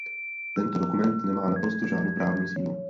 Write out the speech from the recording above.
Tento dokument nemá naprosto žádnou právní sílu.